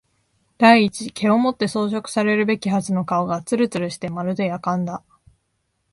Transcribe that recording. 第一毛をもって装飾されるべきはずの顔がつるつるしてまるで薬缶だ